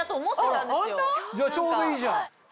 じゃあちょうどいいじゃん。